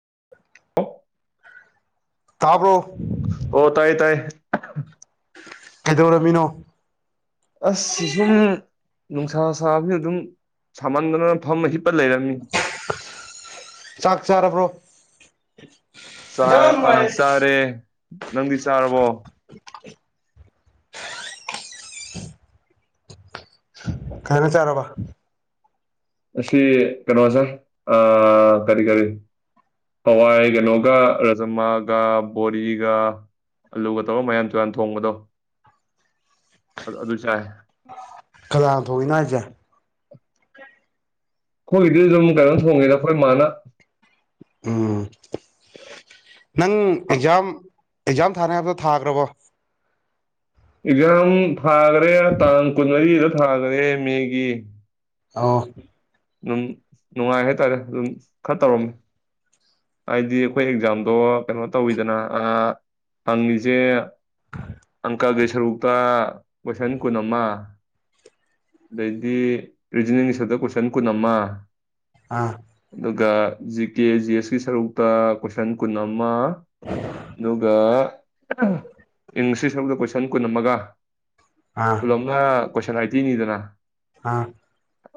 [unintelligible] ꯑꯣ ꯇꯥꯕ꯭ꯔꯣ ꯑꯣ ꯇꯥꯏ ꯇꯥꯏ ꯀꯩꯗꯧꯔꯝꯃꯤꯅꯣ ꯑꯁ ꯁꯤꯁꯨꯝ ꯅꯨꯡꯁꯥ ꯁꯥꯕꯁꯤꯗ ꯑꯗꯨꯝ ꯁꯥꯃꯟꯗꯅ ꯐꯝ ꯍꯤꯞ ꯆꯥꯛ ꯆꯥꯔꯕ꯭ꯔꯣ ꯆꯥꯛ ꯑ ꯆꯥꯔꯦ ꯅꯪꯗꯤ ꯆꯥꯔꯕꯣ ꯀꯩꯖꯥꯡ ꯆꯥꯔꯕ ꯉꯁꯤ ꯀꯩꯅꯣ ꯆꯥꯏ ꯀꯔꯤ ꯀꯔꯤ ꯍꯋꯥꯏ ꯀꯩꯅꯣꯒ ꯔꯥꯖꯃꯥꯒ ꯕꯣꯔꯤꯒ ꯑꯂꯨꯒ ꯇꯧꯔ ꯃꯌꯥꯜ ꯇꯨꯌꯥꯜ ꯊꯣꯡꯕꯗꯣ ꯑꯗꯨ ꯆꯥꯏ ꯀꯅꯥꯅ ꯊꯣꯡꯉꯤꯅꯣ ꯍꯥꯏꯁꯦ ꯑꯩꯈꯣꯏꯒꯤꯗꯤ ꯑꯗꯨꯝ ꯀꯩꯅꯣꯝ ꯊꯣꯡꯉꯦꯗ ꯑꯩꯈꯣꯏ ꯃꯥꯅ ꯎꯝ ꯅꯪ ꯑꯦꯛꯖꯥꯝ ꯑꯦꯛꯖꯥꯝ ꯊꯥꯅꯦ ꯍꯥꯏꯕꯗꯣ ꯊꯥꯈ꯭ꯔꯕꯣ ꯑꯦꯛꯖꯥꯝ ꯊꯥꯒꯔꯦ ꯇꯥꯡ ꯀꯨꯟꯃꯔꯤꯗ ꯊꯥꯒꯔ꯭ꯦ ꯃꯦꯒꯤ ꯑ ꯑꯗꯨꯝ ꯅꯨꯡꯉꯥꯏ ꯍꯥꯏꯇꯥꯔꯦ ꯑꯗꯨꯝ ꯈꯔ ꯇꯧꯔꯝꯃꯤ ꯍꯥꯏꯗꯤ ꯑꯩꯈꯣꯏ ꯑꯦꯛꯖꯥꯝꯗꯣ ꯀꯩꯅꯣ ꯇꯧꯋꯤꯗꯅ ꯍꯪꯉꯤꯁꯦ ꯑꯪꯀꯒꯤ ꯁꯔꯨꯛꯇ ꯀꯣꯏꯁꯟ ꯀꯨꯟ ꯑꯃ ꯑꯗꯩꯗꯤ ꯔꯤꯖꯅꯤꯡꯒꯤ ꯁꯔꯨꯛꯇ ꯀꯣꯏꯁꯟ ꯀꯨꯟ ꯑꯃ ꯑꯥ ꯑꯗꯨꯒ ꯖꯤ ꯀꯦ ꯖꯤ ꯑꯦꯁ ꯁꯔꯨꯛꯇ ꯀꯣꯏꯁꯟ ꯀꯨꯟ ꯑꯃ ꯑꯗꯨꯒ ꯏꯪꯂꯤꯁꯀꯤ ꯁꯔꯨꯛꯇ ꯀꯣꯏꯁꯜ ꯁꯟ ꯀꯨꯟ ꯑꯃꯒ ꯑꯥ ꯄꯨꯂꯞꯅ ꯀꯣꯏꯁꯜ ꯇꯅꯤꯗꯅ ꯑꯥ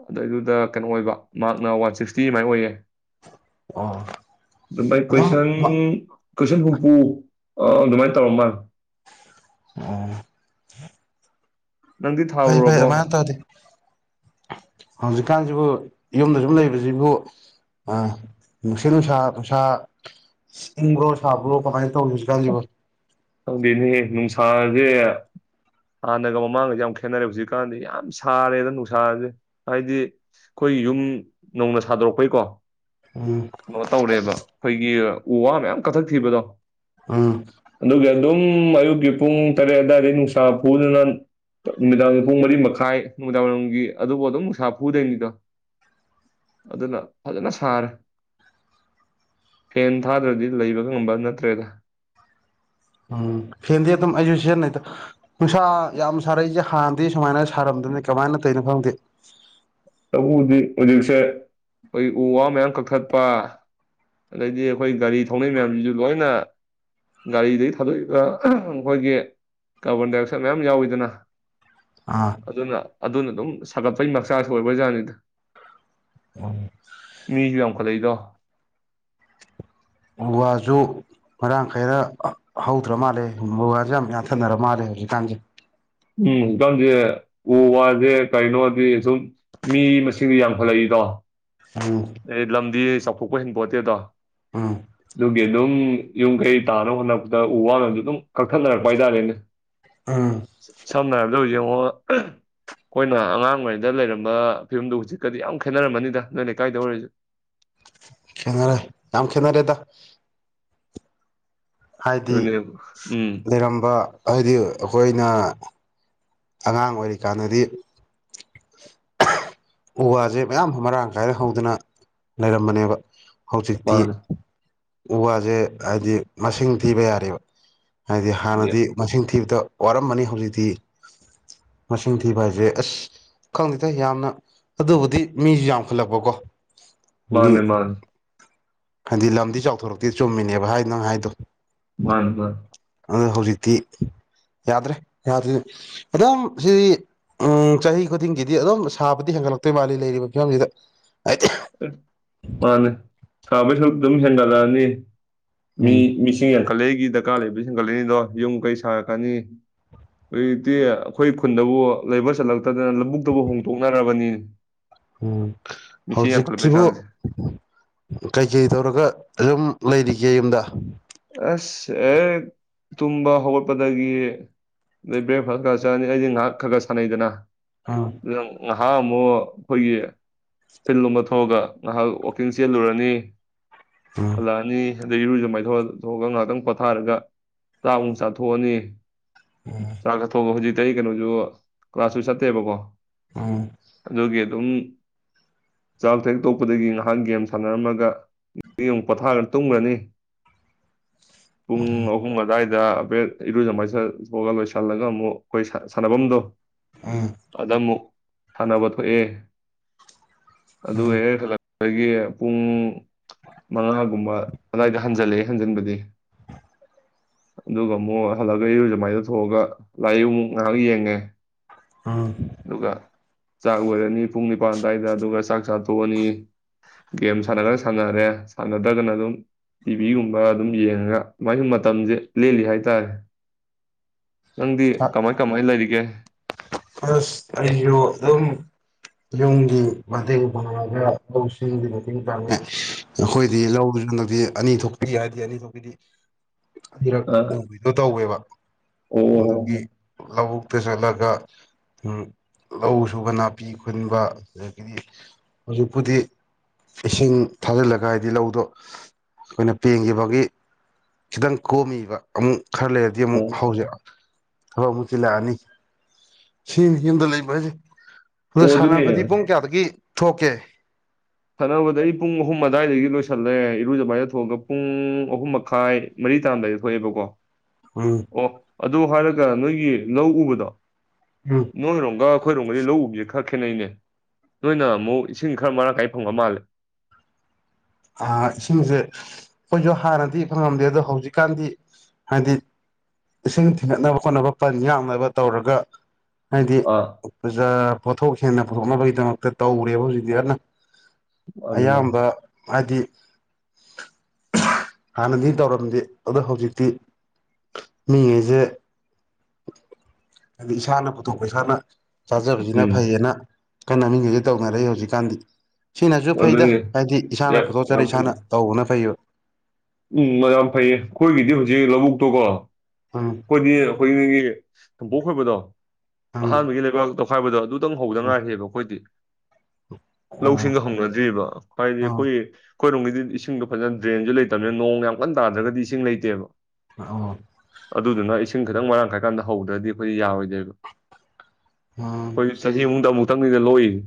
ꯑꯗꯨꯗꯩꯗꯨꯗ ꯀꯩꯅꯣ ꯑꯣꯏꯕ ꯃꯥꯛꯅ ꯋꯥꯟ ꯁꯤꯛꯁꯇꯤ ꯑꯗꯨꯃꯥꯏꯅ ꯑꯣꯏꯌꯦ ꯑꯣ ꯑꯗꯨꯥꯏ ꯑꯗꯨꯝ ꯀ꯭ꯋꯣꯏꯁꯟ ꯀꯣꯏꯁꯟ ꯍꯨꯝꯐꯨ ꯑꯗꯨꯃꯥꯏꯅ ꯇꯧꯔ ꯃꯥꯜꯂꯦ ꯑꯣ ꯅꯪꯗꯤ ꯐꯩ ꯐꯩ ꯊꯥꯔꯨꯔꯕꯣ ꯑꯗꯨꯃꯥꯏ ꯑꯣꯏ ꯇꯥꯗꯤ ꯍꯧ ꯍꯧꯖꯤꯛ ꯀꯥꯟꯁꯤꯕꯨ ꯌꯨꯝꯗ ꯁꯨꯝ ꯂꯩꯕꯁꯤꯕꯨ ꯑꯥ ꯅꯨꯡꯁꯤꯠ ꯅꯨꯡꯁꯥ ꯅꯨꯡꯁꯥ ꯏꯪꯕ꯭ꯔꯣ ꯁꯥꯕ꯭ꯔꯣ ꯀꯝꯃꯥꯏꯅ ꯈꯪꯗꯦꯅꯦ ꯅꯨꯡꯁꯤ ꯅꯨꯡꯁꯥꯁꯦ ꯍꯥꯟꯅꯒ ꯃꯃꯥꯡꯒꯁꯦ ꯌꯥꯝ ꯈꯦꯠꯅꯔꯦ ꯍꯧꯖꯤꯛꯀꯥꯟꯗꯤ ꯌꯥꯝ ꯁꯥꯔꯦꯗ ꯅꯨꯡꯁꯥꯖꯦ ꯍꯥꯏꯗꯤ ꯑꯩꯈꯣꯏ ꯌꯨꯝ ꯅꯧꯅ ꯁꯥꯗꯣꯔꯛꯄꯩꯀꯣ ꯎꯝ ꯀꯩꯅꯣ ꯇꯧꯔꯦꯕ ꯑꯩꯈꯣꯏꯒꯤ ꯎ ꯋꯥ ꯃꯌꯥꯝ ꯀꯛꯊꯛ ꯊꯤꯕꯗꯣ ꯑꯥ ꯑꯗꯨꯝ ꯑꯌꯨꯛꯀꯤ ꯄꯨꯡ ꯇꯔꯦꯠ ꯑꯗꯨꯋꯥꯏꯗꯩꯩ ꯅꯨꯡꯁꯥ ꯐꯨꯕꯗꯅ ꯅꯨꯃꯤꯗꯥꯡꯒꯤ ꯄꯨꯡ ꯃꯔꯤ ꯃꯈꯥꯏ ꯅꯨꯃꯤꯗꯥꯡꯋꯥꯏꯔꯝꯒꯤ ꯑꯗꯨꯕꯨ ꯑꯗꯨꯝ ꯅꯨꯡꯁꯥ ꯐꯨꯗꯣꯏꯅꯤꯗꯣ ꯑꯗꯨꯅ ꯐꯖꯅ ꯁꯥꯔꯦ꯫ ꯐꯦꯟ ꯊꯥꯗ꯭ꯔꯗꯤ ꯂꯩꯕꯒ ꯉꯝꯕ ꯅꯠꯇ꯭ꯔꯦꯗ꯫ ꯎꯝ ꯐꯦꯟꯗꯤ ꯑꯗꯨꯝ ꯑꯩꯁꯨ ꯁꯤꯖꯤꯟꯅꯩꯗ ꯅꯨꯡꯁꯥ ꯌꯥꯝ ꯁꯥꯔꯛꯏꯖꯦ ꯍꯥꯟꯅꯗꯤ ꯁꯨꯃꯥꯏꯅ ꯁꯥꯔꯝꯗꯃꯤ ꯀꯃꯥꯏꯅ ꯇꯧꯏꯅꯣ ꯈꯪꯗꯦ ꯇꯧꯕꯕꯨꯗꯤ ꯍꯧꯖꯤꯛꯁꯦ ꯑꯩꯈꯣꯏꯒꯤ ꯎ ꯋꯥ ꯃꯌꯥꯝ ꯀꯛꯊꯠꯄ ꯑꯗꯩꯗꯤ ꯑꯩꯈꯣꯏ ꯒꯥꯔꯤ ꯊꯧꯅꯩ ꯃꯌꯥꯝꯖꯤꯖꯨ ꯂꯣꯏꯅ ꯒꯥꯔꯤꯗꯒꯤ ꯊꯥꯗꯣꯛꯏꯕ ꯑꯝ ꯑꯩꯈꯣꯏꯒꯤ ꯀꯥꯔꯕꯣꯟ ꯗꯥꯏꯑꯣꯛꯁꯥꯏꯠ ꯃꯌꯥꯝ ꯌꯥꯎꯋꯤꯗꯅ ꯑꯥ ꯑꯗꯨꯅ ꯑꯗꯨꯅ ꯑꯗꯨꯝ ꯁꯥꯒꯠꯄꯩ ꯃꯆꯥꯛꯁꯨ ꯑꯣꯏꯕ ꯖꯥꯠꯅꯤꯗ ꯎꯝ ꯂꯩꯗꯣ ꯎ ꯋꯥꯖꯨ ꯃꯔꯥꯡ ꯈꯥꯏꯔ ꯍꯧꯗ꯭ꯔ ꯃꯥꯜꯂꯦ ꯎ ꯋꯥꯁꯨ ꯌꯥꯝ ꯌꯥꯟꯊꯅꯔ ꯃꯥꯜꯂꯦ ꯍꯧꯖꯤꯛꯀꯥꯟꯖꯦ ꯎꯝ ꯏꯀꯝꯁꯦ ꯎ ꯋꯥꯁꯦ ꯀꯔꯤꯅꯣꯗꯤ ꯁꯨꯝ ꯃꯤ ꯃꯁꯤꯡꯗꯤ ꯌꯥꯝꯈꯠꯂꯛꯏꯗꯣ ꯎꯝ ꯑꯩ ꯂꯝꯗꯤ ꯑꯁ ꯆꯥꯎꯊꯣꯛꯄ ꯍꯦꯟꯄꯣꯠꯇꯦꯗꯣ ꯎꯝ ꯑꯗꯨꯒꯤ ꯑꯗꯨꯝ ꯌꯨꯝ ꯀꯩ ꯇꯥꯅꯕ ꯍꯣꯠꯅꯔꯛꯄꯗ ꯎ ꯋꯥꯅꯁꯨ ꯑꯗꯨꯝ ꯀꯛꯊꯠꯅꯔꯛꯄ ꯍꯥꯏꯇꯥꯔꯦꯅꯦ ꯎꯝ ꯁꯝꯅꯔ ꯂꯧ ꯌꯦꯡꯉꯣ ꯑꯝ ꯑꯩꯈꯣꯏꯅ ꯑꯉꯥꯡ ꯑꯣꯏꯔꯤꯉꯩꯗ ꯂꯩꯔꯝꯕ ꯐꯤꯕꯝꯗꯣ ꯍꯧꯖꯤꯛꯀꯗꯤ ꯌꯥꯝ ꯈꯦꯠꯅꯔꯝꯃꯅꯤꯗ ꯅꯣꯏꯅ ꯇꯧꯔꯤꯖꯦ ꯈꯦꯠꯅꯔꯦ ꯌꯥꯝ ꯈꯦꯠꯅꯔꯦꯗ ꯍꯥꯏꯗꯤ ꯑꯗꯨꯅꯦꯕ ꯎꯝ ꯂꯩꯔꯝꯕ ꯍꯥꯏꯗꯤ ꯑꯩꯈꯣꯏꯅ ꯑꯉꯥꯡ ꯑꯣꯏꯔꯤꯀꯥꯟꯗꯗꯤ ꯎ ꯋꯥꯁꯦ ꯃꯌꯥꯝ ꯃꯔꯥꯡ ꯀꯥꯏꯅ ꯍꯧꯗꯅ ꯂꯩꯔꯝꯕꯅꯦꯕ ꯍꯧꯖꯤꯛꯇꯤ ꯃꯥꯅꯦ ꯎ ꯋꯥꯖꯦ ꯍꯥꯏꯕꯗꯤ ꯃꯁꯤꯡ ꯊꯤꯕ ꯌꯥꯔꯦꯕ ꯍꯥꯏꯗꯤ ꯍꯥꯟꯅꯗꯤ ꯃꯁꯤꯡ ꯊꯤꯕꯗ ꯋꯥꯔꯝꯕꯅꯤ ꯍꯧꯖꯤꯛꯇꯤ ꯃꯁꯤꯡ ꯊꯤꯕ ꯍꯥꯏꯖꯦ ꯑꯁ ꯈꯪꯗꯦꯗ ꯌꯥꯝꯅ ꯑꯗꯨꯕꯨꯗꯤ ꯃꯤꯁꯨ ꯌꯥꯝꯈꯠꯂꯛꯄꯀꯣ ꯑꯗꯒꯤ ꯃꯥꯅꯦ ꯃꯥꯥꯅꯦ ꯍꯥꯏꯗꯤ ꯂꯝꯗꯤ ꯆꯥꯎꯊꯣꯔꯛꯇꯦ ꯆꯨꯝꯃꯤꯅꯦꯕ ꯍꯥꯏꯗꯣ ꯅꯪ ꯍꯥꯏꯗꯣ ꯃꯅꯤ ꯃꯥꯅꯤ ꯑꯗꯣ ꯍꯧꯖꯤꯛꯇꯤ ꯌꯥꯗ꯭ꯔꯦ ꯌꯥꯗ꯭ꯔꯦꯗꯤ ꯑꯗꯨꯝ ꯁꯤꯗꯤ ꯆꯍꯤ ꯈꯨꯗꯤꯡꯒꯤꯗꯤ ꯑꯗꯨꯝ ꯁꯥꯕꯗꯤ ꯍꯦꯟꯒꯠꯂꯛꯇꯣꯏ ꯃꯥꯜꯂꯤ ꯂꯩꯔꯤꯕ ꯐꯤꯕꯝꯖꯤꯗ ꯃꯥꯅꯦ ꯁꯕꯩꯁꯨ ꯑꯗꯨꯝ ꯍꯦꯟꯒꯠꯂꯅꯤ ꯃꯤ ꯎꯝ ꯃꯤꯁꯤ ꯌꯦ [unintelligible] ꯀꯂꯩꯒꯤ ꯗꯔꯀꯥꯔ ꯂꯩꯕꯁꯤꯡ ꯀꯂꯦꯟꯅꯤꯗꯣ ꯌꯨꯝ ꯀꯩ ꯁꯥꯔꯛꯀꯅꯤ ꯍꯧꯖꯤꯛꯇꯤ ꯑꯩꯈꯣꯏ ꯈꯨꯟꯗꯕꯨ ꯂꯩꯕ ꯆꯜꯂꯛ ꯅꯠꯇꯗꯅ ꯂꯧꯕꯨꯛꯇꯕꯨ ꯍꯣꯡꯗꯣꯛꯅꯔꯕꯅꯤ ꯎꯝ ꯌꯥꯝꯈꯠꯂꯛꯄꯩ ꯍꯧꯖꯤꯛꯁꯤꯕꯨ ꯆꯥꯡꯁꯦ ꯀꯩꯀꯩ ꯇꯧꯔꯒ ꯑꯗꯨꯝ ꯂꯩꯔꯤ ꯌꯨꯝꯗ ꯑꯁ ꯑꯦ ꯇꯨꯝꯕ ꯍꯧꯒꯠꯄꯗꯒꯤ ꯑꯗꯩ ꯕ꯭ꯔꯦꯛꯐꯥꯁ ꯈꯔ ꯆꯠꯅꯤ ꯑꯩꯗꯤ ꯉꯥꯏꯍꯥꯛ ꯈꯔ ꯈꯔ ꯁꯥꯟꯅꯩꯗꯅ ꯎꯝ [unintelligible] ꯅꯍꯥꯛ ꯑꯃꯨꯛ ꯑꯩꯈꯣꯏꯒꯤ ꯐꯤꯜꯂꯣꯝꯗ ꯊꯣꯛꯑꯒ ꯅꯍꯥꯛ ꯋꯥꯛꯀꯤꯡ ꯆꯦꯜꯂꯨꯔꯅꯤ ꯎꯝ ꯍꯜꯂꯛꯑꯅꯤ ꯑꯗꯩ ꯏꯔꯨꯖ ꯃꯥꯏꯊ [unintelligible] ꯆꯊꯣꯛꯑꯒ ꯉꯥꯏꯍꯥꯛꯇꯪ ꯄꯣꯊꯥꯔꯒ ꯆꯥꯃꯨꯛ ꯆꯥꯊꯣꯛꯑꯅꯤ ꯆꯥꯛ ꯆꯥꯊꯣꯛꯑꯒ ꯍꯧꯖꯤꯛ ꯀꯩ ꯀꯩꯅꯣꯁꯨ ꯀ꯭ꯂꯥꯁꯁꯨꯨ ꯆꯠꯇꯦꯕꯀꯣ ꯎꯝ ꯑꯗꯨꯒꯤ ꯑꯗꯨꯝ ꯆꯥꯛ ꯍꯦꯛ ꯇꯣꯛꯄꯗꯒꯤ ꯉꯥꯏꯍꯥꯛ ꯒꯦꯝ ꯁꯥꯟꯅꯔꯝꯃꯒ ꯑꯃꯨꯛ ꯄꯣꯊꯥꯔ ꯇꯨꯝꯒꯅꯤ ꯄꯨꯡ ꯑꯍꯨꯝ ꯑꯗꯥꯥꯏ [unintelligible] ꯏꯔꯨꯖꯃꯥꯏꯊ [unintelligible] ꯑꯒ ꯂꯣꯏꯁꯤꯜꯂꯒ ꯑꯃꯨꯛ ꯑꯩꯈꯣꯏ ꯁꯥꯟꯅꯐꯝꯗꯣ ꯎꯝ ꯑꯗꯃꯨꯛ ꯁꯥꯟꯅꯕ ꯊꯣꯛꯑꯦ ꯑꯗꯨꯒ ꯍꯦꯛ ꯍꯜꯂꯛ ꯑꯩꯈꯣꯏꯒꯤ ꯄꯨꯡ ꯃꯉꯥꯒꯨꯝꯕ ꯑꯗꯥꯏꯗ ꯍꯟꯖꯜꯂꯛ ꯍꯟꯖꯤꯟꯕꯗꯤ ꯑꯗꯨꯒ ꯑꯃꯨꯛ ꯍꯜꯂꯒ ꯏꯔꯨꯖ ꯃꯥꯏꯖꯊꯣꯛꯑꯒ ꯂꯥꯏꯔꯤꯛꯃꯨꯛ ꯉꯥꯏꯍꯥꯛ ꯌꯦꯡꯉꯦ ꯎꯝ ꯑꯗꯨꯒ ꯆꯥꯛ ꯂꯣꯏꯔꯅꯤ ꯄꯨꯡ ꯅꯤꯄꯜ ꯑꯗꯨꯋꯥꯏꯗ ꯑꯗꯨꯒ ꯆꯥꯛ ꯆꯥꯊꯣꯛꯑꯅꯤ ꯒꯦꯝ ꯁꯥꯟꯅꯔꯒ ꯁꯥꯟꯅꯔꯦ ꯁꯥꯟꯅꯗ꯭ꯔꯒꯅ ꯑꯗꯨꯝ ꯇꯤꯚꯤꯒꯨꯝꯕ ꯑꯗꯨꯝ ꯌꯦꯡꯉꯒ ꯃꯥꯏꯅꯁꯨ ꯃꯇꯝꯁꯦ ꯂꯦꯜꯂꯤ ꯍꯥꯏꯇꯥꯔꯦ ꯅꯪꯗꯤ ꯀꯃꯥꯏ ꯀꯃꯥꯏ ꯂꯩꯔꯤꯒꯦ ꯑꯁ ꯑꯩꯁꯨ ꯑꯗꯨꯝ ꯌꯨꯝꯒꯤ ꯃꯇꯦꯡ ꯄꯥꯡꯉꯒ ꯂꯧ ꯁꯤꯡ ꯃꯇꯦꯡ ꯄꯥꯡꯉꯦ ꯑꯩꯈꯣꯏꯗꯤ ꯂꯧꯗꯨꯁꯨ ꯍꯟꯗꯛꯇꯤ ꯑꯅꯤ ꯊꯣꯛꯄꯤ ꯍꯥꯏꯔꯗꯤ ꯑꯅꯤ ꯊꯣꯛꯄꯤꯗꯤ ꯑꯅꯤꯔꯛ ꯑ ꯎꯕꯤꯗꯣ ꯇꯧꯋꯦꯕ ꯑꯣ ꯑꯗꯨꯒꯤ ꯂꯧꯕꯨꯛꯇ ꯆꯠꯂꯒ ꯂꯧ ꯁꯨꯕ ꯅꯥꯄꯤ ꯈꯨꯟꯕ ꯑꯗꯒꯤꯗꯤ ꯍꯧꯖꯤꯛꯄꯨꯗꯤ ꯏꯁꯤꯡ ꯊꯥꯖꯤꯜꯂꯒ ꯍꯥꯏꯗꯤ ꯂꯧꯗꯣ ꯑꯩꯈꯣꯏꯅ ꯄꯦꯡꯈꯤꯕꯒꯤ ꯈꯤꯇꯪ ꯀꯣꯝꯃꯤꯕ ꯑꯃꯨꯛ ꯈꯔ ꯂꯩꯔꯗꯤ ꯑꯃꯨꯛ ꯑꯣ ꯍꯧꯖ [unintelligible] ꯊꯕꯛ ꯑꯃꯨꯛ ꯆꯤꯟꯂꯛ ꯑꯅꯤ꯫ ꯁꯤꯅꯤ ꯌꯨꯝꯗ ꯂꯩꯕ ꯍꯥꯏꯁꯦ ꯑꯗ ꯑꯣ ꯁꯥꯟꯅꯕꯗꯤ ꯑꯗꯨꯅꯦ ꯄꯨꯡ ꯀꯌꯥꯗꯒꯤ ꯊꯣꯛꯀꯦ ꯁꯥꯅꯕꯗ ꯑꯩ ꯄꯨꯡ ꯑꯍꯨꯝ ꯑꯗꯨꯋꯥꯏꯗꯒꯤ ꯂꯣꯏꯁꯜꯂꯦ ꯏꯔꯨꯖꯃꯥꯏꯗ ꯊꯣꯛꯑꯒ ꯄꯨꯡ ꯑꯍꯨꯝ ꯃꯈꯥꯏ ꯃꯔꯤ ꯇꯔꯝꯗꯥꯏꯗ ꯊꯣꯛꯑꯦꯕꯀꯣ ꯎꯝ ꯑꯣ ꯑꯗꯨ ꯍꯥꯏꯔꯒ ꯅꯣꯏꯒꯤ ꯂꯧ ꯎꯕꯗꯣ ꯎꯝ ꯅꯣꯏ ꯔꯣꯝꯒ ꯑꯩꯈꯣꯏꯔꯣꯝꯒꯗꯤ ꯂꯧ ꯎꯕꯁꯦ ꯈꯔ ꯈꯦꯠꯅꯩꯅꯦ ꯅꯣꯏꯅ ꯑꯃꯨꯛ ꯏꯁꯤꯡ ꯈꯔ ꯃꯔꯥꯡ ꯀꯥꯏꯅ ꯐꯪꯕ ꯃꯥꯜꯂꯦ ꯑꯥ ꯏꯁꯤꯡꯁꯦ ꯑꯩꯈꯣꯏꯁꯨ ꯍꯥꯟꯅꯗꯤ ꯐꯪꯉꯝꯗꯦ ꯑꯗꯣ ꯍꯧꯖꯤꯛꯀꯥꯟꯗꯤ ꯍꯥꯏꯗꯤ ꯏꯁꯤꯡ ꯊꯤꯡꯒꯠꯅꯕ ꯈꯣꯠꯅꯕ ꯄꯟ ꯌꯥꯝꯅꯕ ꯇꯧꯔꯒ ꯍꯥꯏꯗꯤ ꯑꯥ ꯄꯨꯖꯥ ꯄꯣꯠꯊꯣꯛ ꯍꯦꯟꯅ ꯄꯨꯊꯣꯛꯅꯕꯒꯤꯗꯃꯛꯇ ꯇꯧꯔꯦꯕ ꯍꯧꯖꯤꯛꯇꯤ ꯑꯗꯨꯅ ꯃꯥꯅꯤ ꯃꯥꯅꯤ ꯑꯌꯥꯝꯕ ꯍꯥꯏꯗꯤ ꯈ ꯍꯥꯟꯅꯗꯤ ꯇꯧꯔꯝꯗꯦ ꯑꯗꯣ ꯍꯧꯖꯤꯛꯇꯤ ꯃꯤꯉꯩꯖꯦ ꯍꯥꯏꯗꯤ ꯏꯁꯥꯅ ꯄꯨꯊꯣꯛꯄ ꯏꯁꯥꯅ ꯆꯥꯖꯕꯁꯤꯅ ꯎꯝ ꯐꯩꯌꯦꯅ ꯀꯟꯅꯃꯤꯉꯩꯖꯦ ꯇꯧꯅꯔꯛꯏ ꯍꯧꯖꯤꯛꯀꯥꯟꯗꯤ ꯁꯤꯅꯁꯨ ꯐꯩꯗ ꯑꯗꯨꯅꯤ ꯍꯥꯏꯗꯤ ꯏꯁꯥꯅ ꯌꯥꯝ ꯄꯨꯊꯣꯛꯆꯔꯦ ꯐꯩꯗ ꯏꯁꯥꯅ ꯇꯧꯕꯅ ꯐꯩꯑꯦꯕ ꯎꯝ [inaudible] ꯌꯥꯝ ꯐꯩꯌꯦ ꯑꯩꯈꯣꯏꯒꯤꯗꯤ ꯍꯧꯖꯤꯛ ꯂꯧꯕꯨꯛꯇꯣꯀꯣ ꯎꯝ ꯈꯣꯏꯗꯤ ꯈꯣꯏꯅꯤꯒꯤ ꯁꯝꯄꯣꯛ ꯈꯣꯏꯕꯗꯣ ꯎꯝ ꯑꯍꯥꯟꯕꯒꯤ ꯂꯩꯕꯥꯛ ꯇꯧ ꯍꯥꯏꯕꯗꯣ ꯑꯗꯨ ꯇꯨꯝ ꯍꯧꯕꯗꯥ ꯉꯥꯏꯔꯤꯕ ꯑꯩꯈꯣꯏꯗꯤ ꯑꯣ ꯂꯧꯁꯤꯡꯒ ꯍꯧꯅꯗ꯭ꯔꯤꯕ ꯍꯥꯏꯗꯤ ꯑꯣ ꯑꯩꯈꯣꯏꯒꯤ ꯑꯩꯈꯣꯏꯔꯣꯝꯒꯤꯗꯤ ꯏꯁꯤꯡꯗꯣ ꯐꯖꯅ ꯗ꯭ꯔꯦꯟꯁꯨ ꯂꯩꯇꯕꯅꯤꯅ ꯅꯣꯡ ꯌꯥꯝ ꯀꯟꯅ ꯇꯥꯗ꯭ꯔꯥꯒꯗꯤ ꯏꯁꯤꯡ ꯂꯩꯇꯦꯕ ꯑ ꯑꯗꯨꯗꯨꯅ ꯏꯁꯤꯡ ꯈꯤꯇꯪ ꯃꯔꯥꯡ ꯀꯥꯏꯔ ꯀꯥꯟꯗ ꯍꯧꯗ꯭ꯔꯥꯗꯤ ꯑꯩꯈꯣꯏꯗꯤ ꯌꯥꯔꯣꯏꯗꯣꯏꯕ ꯎꯝ ꯑꯩꯈꯣꯏ ꯆꯍꯤ ꯑꯍꯨꯝꯗ ꯑꯃꯨꯛ ꯑꯃꯨꯛꯇꯪꯅꯤꯗ ꯂꯣꯛꯏꯖꯦ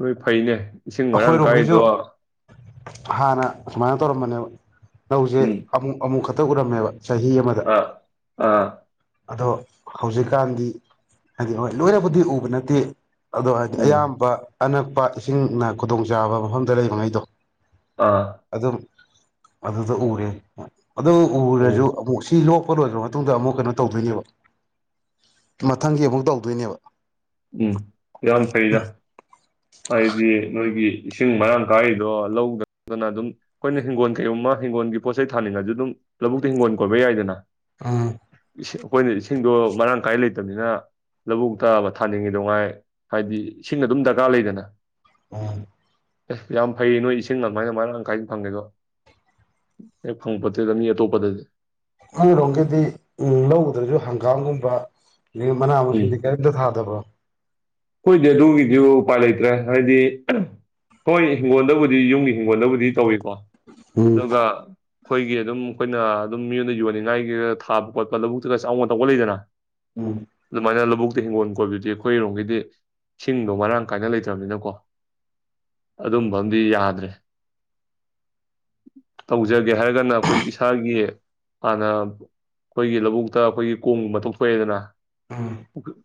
ꯅꯣꯏ ꯐꯩꯅꯦ ꯏꯁꯤꯡ ꯃꯔꯥꯡ ꯀꯥꯏꯗꯣ ꯑꯩꯈꯣꯏꯔꯣꯝꯒꯤꯁꯨ ꯍꯥꯟꯅ ꯁꯨꯃꯥꯏꯅ ꯇꯧꯔꯝꯕꯅꯦꯕ ꯂꯧꯁꯦ ꯎꯝ ꯑꯃꯨꯛ ꯑꯃꯨꯛ ꯈꯛ ꯇ ꯎꯔꯝꯃꯦꯕ ꯆꯍꯤ ꯑꯃꯗ ꯑꯥ ꯑꯥ ꯑꯗꯣ ꯍꯧꯖꯤꯛꯀꯥꯟꯗꯤ ꯍꯥꯏꯗꯤ ꯍꯣꯏ ꯂꯣꯏꯅꯕꯨꯗꯤ ꯎꯕ ꯅꯠꯇꯦ ꯑꯗꯨ ꯍꯥꯏꯗꯤ ꯎꯝ ꯑꯌꯥꯝꯕ ꯑꯅꯛꯄ ꯏꯁꯤꯡꯅ ꯈꯨꯗꯣꯡꯆꯥꯥꯕ ꯃꯐꯝꯗ ꯂꯩꯔꯤꯉꯩꯗꯣ ꯑꯥ ꯑꯗꯨꯗ ꯎꯔꯦ ꯑꯗꯨ ꯎꯝ ꯎꯔꯁꯨ ꯑꯃꯨꯛ ꯁꯤ ꯂꯣꯛ ꯆꯥꯎꯠꯂꯣꯏꯈ꯭ꯔ ꯃꯇꯨꯡꯗ ꯑꯃꯨꯛ ꯀꯩꯅꯣ ꯇꯧꯗꯣꯏꯅꯦꯕ ꯃꯊꯪꯒꯤ ꯑꯃꯨꯛ ꯇꯧꯗꯣꯏꯅꯦꯕ ꯎꯝ ꯌꯥꯣꯟ ꯐꯩꯗ ꯐꯗꯤꯦ ꯅꯣꯏꯒꯒꯤ ꯏꯁꯤꯡ ꯃꯔꯥꯡ ꯀꯥꯏꯔꯤꯗꯣ ꯂꯧꯗꯗꯅ ꯑꯗꯨꯝ ꯑꯩꯈꯣꯏꯅ ꯍꯤꯡꯒꯣꯜ ꯀꯩꯒꯨꯝꯝꯃ ꯍꯤꯡꯒꯣꯜꯒꯤ ꯄꯣꯠ ꯆꯩ ꯊꯥꯅꯤꯡꯉꯁꯨ ꯑꯗꯨꯝ ꯂꯧꯕꯨꯛꯇ ꯍꯤꯡꯒꯣꯜ ꯀꯣꯏꯕ ꯌꯥꯏꯗꯅ ꯎꯝ ꯏꯁꯤꯡ- ꯑꯩꯈꯣꯏꯅ ꯏꯁꯤꯡꯗꯣ ꯃꯔꯥꯡ ꯀꯥꯏ ꯂꯩꯇꯕꯅꯤꯅ ꯂꯧꯕꯨꯛꯇ ꯊꯥꯅꯤꯡꯉꯤꯗꯣꯉꯥꯏ ꯍꯥꯏꯗꯤ ꯏꯁꯤꯡ ꯑꯗꯨꯝ ꯗꯔꯀꯥꯔ ꯂꯩꯗꯅ ꯎꯝ ꯑꯦ ꯌꯥꯝ ꯐꯩ ꯅꯣꯏ ꯏꯁꯤꯡ ꯑꯗꯨꯃꯥꯏꯅ ꯑꯗꯨꯃꯥꯏꯅ ꯇꯪꯈꯥꯏꯅ ꯐꯪꯒꯦꯗꯣ ꯍꯦꯛ ꯐꯪꯕꯄꯣꯠꯇꯦꯗ ꯃꯤ ꯑꯇꯣꯞꯄꯗꯗꯤ ꯃꯔꯣꯝꯒꯤꯗꯤ ꯂꯧꯒꯗ꯭ꯔꯁꯨ ꯍꯪꯒꯥꯝꯒꯨꯝꯕ ꯃꯅꯥ ꯃꯁꯤꯡꯗꯤ ꯀꯔꯤꯝꯇ ꯊꯥꯗꯕꯣ ꯍꯣꯏꯗꯤ ꯑꯗꯨꯒꯤꯁꯨ ꯎꯄꯥꯏ ꯂꯩꯇ꯭ꯔꯦ ꯍꯥꯏꯗꯤ ꯍꯣꯏ ꯍꯤꯡꯒꯣꯜꯗꯕꯨꯗꯤ ꯌꯨꯝꯒꯤ ꯍꯤꯡꯒꯣꯜꯗꯕꯨꯗꯤ ꯇꯧꯋꯤ ꯎꯝ ꯑꯗꯨꯒ ꯑꯩꯈꯣꯏꯒꯤ ꯑꯗꯨꯝ ꯑꯩꯈꯣꯏꯅ ꯑꯗꯨꯝ ꯃꯤꯣꯟ ꯑꯣꯏꯅ ꯌꯣꯟꯅꯤꯡꯉꯥꯏꯒꯤ ꯊꯥꯕ ꯈꯣꯠꯄ ꯂꯧꯕꯨꯛꯇꯒ ꯆꯉ ꯇꯧꯕ ꯂꯩꯗꯅꯚ ꯎꯝ ꯑꯗꯨꯃꯥꯟ ꯂꯧꯕꯣꯛ ꯍꯤꯡꯒꯣꯟ ꯀꯣꯕꯗꯨꯗꯤ ꯑꯩꯈꯣꯏꯔꯣꯝꯒꯤꯗꯤ ꯏ ꯁꯤꯡꯗꯣ ꯃꯔꯥꯡ ꯀꯥꯏꯅ ꯂꯩꯇ꯭ꯔꯕꯅꯤꯅꯀꯣ ꯑꯗꯨꯝꯕ ꯑ ꯑꯃꯗꯤꯝ ꯌꯥꯗ꯭ꯔꯦ ꯇꯧꯖꯒꯦ ꯍꯥꯏꯔꯒꯅ ꯑꯩꯈꯣꯏ ꯏꯁꯥꯒꯤ ꯍꯥꯟꯅ ꯑꯩꯈꯣꯏꯒꯤ ꯂꯧꯕꯨꯛꯇ ꯑꯩꯈꯣꯏꯒꯤ ꯀꯣꯡꯒꯨꯝꯕ ꯇꯧꯊꯣꯛ ꯑꯦꯗꯅ ꯑꯥ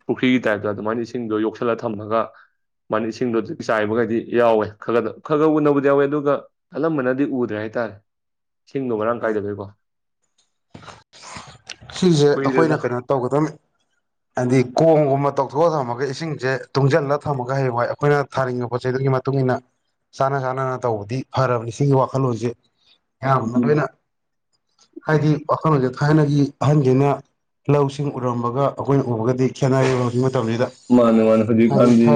ꯄꯨꯈ꯭ꯔꯤꯒꯤ ꯇꯥꯏꯞꯇ ꯑꯗꯨꯃꯅꯁꯤꯡꯗꯣ ꯌꯣꯛꯁꯟ ꯈꯜꯂ ꯊꯝꯃꯒ ꯃꯥꯅꯤ ꯏꯁꯤꯡꯗꯣ ꯑꯗꯨ ꯆꯥꯏꯕꯈꯩꯗꯤ ꯌꯥꯎꯋꯦ ꯈ ꯈꯗ ꯈꯔ ꯈꯔ ꯎꯅꯕꯗꯤ ꯌꯥꯎꯋꯦ ꯑꯗꯨꯒ ꯑꯜꯝꯕꯅꯗꯤ ꯎꯗ꯭ꯔꯦ ꯍꯥꯏꯇꯥꯔꯦ ꯁꯤꯡꯗꯣ ꯃꯔꯥꯡ ꯀꯥꯏꯗꯕꯣꯏꯀꯣ ꯁꯤꯁꯦ ꯑꯩꯈꯣꯏꯅ ꯀꯨꯏꯔꯦꯗ ꯀꯩꯅꯣ ꯇꯧꯒꯗꯝꯕꯅꯤ ꯍꯥꯏꯗꯤ ꯀꯣꯝꯒꯨꯝꯕ ꯇꯧꯊꯣꯛꯑꯒꯝ ꯑꯗꯨꯒ ꯏꯁꯤꯡꯁꯦ ꯇꯨꯡꯁꯤꯜꯂꯒ ꯊꯝꯃꯒ ꯍꯌꯦꯡꯏ ꯑꯩꯈꯣꯏꯅ ꯊꯥꯅꯤꯡꯉꯕ ꯄꯣꯠ ꯆꯩꯗꯨꯒꯤ ꯃꯇꯨꯡ ꯏꯟꯅ ꯆꯥꯅ ꯆꯥꯅꯅ ꯇꯧꯕꯗꯤ ꯐꯔꯕꯅꯤ ꯁꯤꯒꯤ ꯋꯥꯈꯜꯂꯣꯟꯁꯦ ꯌꯥꯣꯕꯩꯅ ꯍꯥꯏꯗꯤ ꯋꯥꯈꯜꯂꯣꯟꯁꯦ ꯊꯥꯏꯅꯒꯤ ꯑꯍꯟꯁꯤꯅ ꯂꯧꯁꯤꯡ ꯎꯔꯝꯕꯒ ꯑꯩꯈꯣꯏꯅ ꯎꯕꯒꯗꯤ ꯈꯦꯅꯒꯤ ꯃꯥꯅꯦ ꯃꯥꯅꯦ ꯍꯧꯖꯤ ꯈꯥꯟꯖꯤ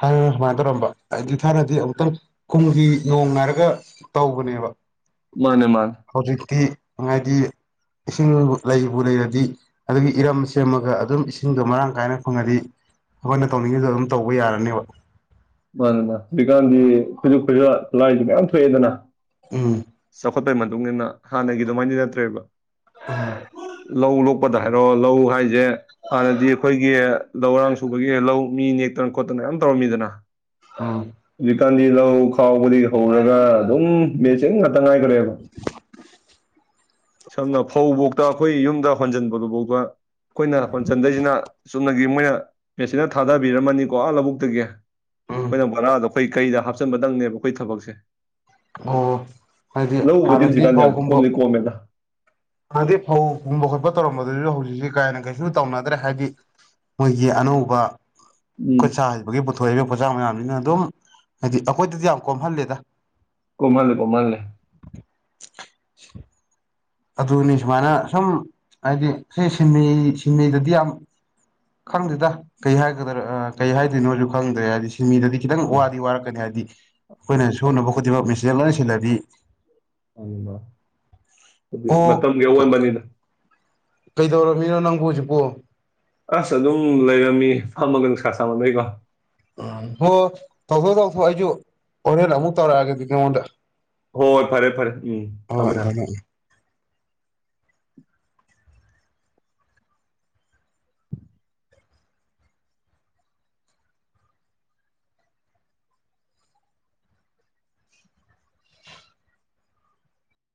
ꯍꯥꯏ ꯁꯨꯃꯥꯏꯅ ꯇꯧꯔꯝꯕ ꯑꯩꯗꯤ ꯊꯥꯅꯗꯤ ꯑꯃꯨꯛꯇꯪ ꯀꯨꯝꯒꯤ ꯅꯣꯡ ꯅꯥꯏꯔꯒ ꯇꯧꯕꯅꯦꯕ ꯃꯥꯅꯦ ꯃꯥꯅꯦ ꯍꯧꯖꯤꯛꯇꯤ ꯉꯥꯏꯗꯤ ꯏꯁꯤꯡ ꯂꯩꯕꯨ ꯂꯩꯔꯗꯤ ꯑꯗꯨꯗꯒꯤ ꯏꯔꯝ ꯁꯦꯝꯃꯒ ꯑꯗꯨꯝ ꯏꯁꯤꯡꯗꯣ ꯃꯔꯥꯡ ꯀꯥꯏꯅ ꯐꯪꯉꯗꯤ ꯑꯩꯈꯣꯏꯅ ꯇꯧꯅꯤꯡꯉꯤꯗꯣ ꯑꯗꯨꯝ ꯇꯧꯕ ꯌꯥꯔꯅꯦꯕ ꯃꯥꯅꯤ ꯃꯥ ꯍꯧꯖꯤꯛꯀꯥꯟꯗꯤ ꯈꯨꯁꯨꯛ ꯈꯨꯁꯨ ꯂꯥꯏꯁꯨ ꯃꯌꯥꯝ ꯊꯣꯛꯑꯦꯗꯅ ꯎꯝ ꯈꯣꯠꯄꯒꯤ ꯃꯇꯨꯡ ꯏꯟꯅ ꯍꯥꯟꯅꯒꯤ ꯑꯗꯨꯃꯥꯏꯗꯤ ꯅꯠꯇ꯭ꯔꯦꯕ ꯂꯧ ꯂꯣꯀ [unintelligible] ꯍꯥꯏꯔꯣ ꯂꯧ ꯍꯥꯏꯁꯦ ꯍꯥꯟꯅꯗꯤ ꯑꯩꯈꯣꯏꯒꯤ ꯂꯧꯔꯥꯡ ꯁꯨꯕꯒꯤ ꯂꯧ ꯃꯤ ꯅꯦꯛꯇꯅ ꯈꯣꯠꯇꯅ ꯌꯥꯝ ꯇꯧꯔꯝꯃꯤꯗꯅ ꯑ ꯀꯥꯟꯗꯤ ꯂꯧ ꯈꯥꯎꯕꯗꯩꯩ ꯍꯧꯔꯒ ꯑꯗꯨꯝ ꯃꯦꯆꯤꯟ ꯇ ꯉꯥꯏꯐꯗꯔꯦꯕ ꯁꯝꯅ ꯐꯧ ꯇ ꯑꯩꯈꯣꯏ ꯌꯨꯝꯗ ꯍꯣꯟꯖꯟꯕꯗꯨꯐꯥꯎꯗ ꯑꯩꯈꯣꯏꯅ ꯍꯣꯟꯆꯟꯗꯣꯏꯁꯤꯅ ꯆꯨꯝꯅꯒꯤ ꯃꯣꯏꯅ ꯄꯦꯆꯤꯅꯥ ꯊꯥꯗꯕꯤꯔꯝꯃꯅꯤꯀꯣ ꯑ ꯂꯧꯕꯨꯛꯇꯒꯤ ꯎꯝ ꯑꯃꯨꯛ ꯑꯩꯈꯣꯏ ꯀꯩꯗ ꯍꯥꯞꯆꯤꯟꯕꯗꯪꯅꯦꯕ ꯑꯩꯈꯣꯏ ꯊꯕꯛꯁꯦ ꯑꯣ ꯍꯥꯏꯗꯤ ꯂꯧꯕꯨꯗꯤ ꯍꯥꯔꯗꯤ ꯍꯧꯖꯤꯛꯀꯥꯟꯗꯤ ꯌꯥꯝ ꯐꯥꯎꯒꯨꯝꯕ ꯀꯣꯝꯗꯤ ꯀꯣꯝꯃꯦꯗ ꯑꯗꯨꯁꯨ ꯍꯧꯖꯤꯛꯁꯤ ꯀꯥꯏꯅ ꯀꯩꯁꯨ ꯇꯧꯅꯗ꯭ꯔꯦ ꯍꯥꯏꯗꯤ ꯃꯣꯏꯒꯤ ꯑꯅꯧꯕ ꯎꯝ ꯈꯨꯠ ꯁꯥ ꯍꯩꯪꯕꯒꯤ ꯄꯣꯊꯣꯛ [unintelligible] ꯄꯣꯠꯆꯥꯛ ꯃꯌꯥꯝꯁꯤꯅ ꯑꯗꯨꯝ ꯍꯥꯏꯗꯤ ꯑꯩꯈꯣꯏꯗꯗꯤ ꯌꯥꯝ ꯀꯣꯝꯍꯜꯂꯦꯗ ꯀꯣꯝꯍꯜꯂꯦ ꯀꯣꯝꯍꯜꯂꯦ [inaudible] ꯑꯗꯨꯅꯤ ꯁꯨꯃꯥꯏꯅ ꯁꯨꯝ ꯍꯥꯏꯗꯤ ꯁꯤ ꯁꯤꯟ ꯁꯤꯟꯃꯩꯗꯗꯤ ꯌꯥꯝ ꯈꯪꯗꯦꯗ ꯀꯩ ꯍꯥꯏꯒꯗ꯭ꯔꯥ ꯀꯩ ꯍꯥꯏꯗꯣꯏꯅꯣꯁꯨ ꯈꯪꯗ꯭ꯔꯦ ꯍꯥꯏꯗꯤ ꯁꯤ [unintelligible] ꯃꯤꯗꯗꯤ ꯈꯤꯇꯪ ꯎꯝ ꯋꯥꯗꯤ ꯋꯥꯔꯛꯀꯅꯤ ꯍꯥꯏꯗꯤ ꯑꯩꯈꯣꯏꯅ ꯁꯨꯅꯕ ꯈꯣꯠꯡꯃꯛ ꯃꯦꯆꯖꯦꯟ ꯂꯣꯏꯅ ꯁꯤꯜꯂꯗꯤ [unintelligible] ꯑꯗꯨꯗꯤ ꯃꯇꯝꯒꯤ ꯑꯑꯩꯟꯕꯅꯤꯅ ꯀꯩꯗꯧꯔꯃꯤꯅꯣ ꯅꯪꯕꯨ ꯍꯧꯖꯤꯛꯄꯨ ꯑꯁ ꯑꯗꯨꯝ ꯂꯩꯔꯝꯃꯤ ꯐꯝꯃꯒ ꯅꯨꯪꯁꯥ ꯁꯥꯃꯅꯕꯩꯀꯣ ꯎꯝ ꯍꯣꯏ ꯍ ꯇꯧꯊꯣꯛ ꯇꯧꯊꯣꯛ ꯑꯩꯁꯨ ꯍꯣꯔꯦꯟ ꯑꯃꯨꯛ ꯇꯧꯔꯛꯑꯒꯦ ꯅꯥꯉꯣꯟꯗ ꯍ ꯐꯔꯦ ꯐꯔꯦ ꯎꯝ ꯊꯥꯃꯦ ꯑꯗꯨꯃꯥꯏꯅ